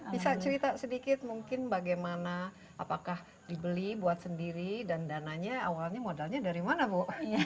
bisa cerita sedikit mungkin bagaimana apakah dibeli buat sendiri dan dananya awalnya modalnya dari mana bu